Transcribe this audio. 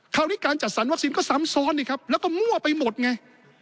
คราวนี้การจัดสรรวัคซีนก็ซ้ำซ้อนนี่ครับแล้วก็มั่วไปหมดไง